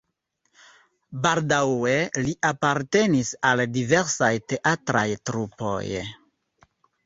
Baldaŭe li apartenis al diversaj teatraj trupoj.